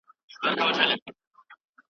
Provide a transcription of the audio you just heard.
د فقر کچه تر هغه لوړه وه چې ګومان کېده.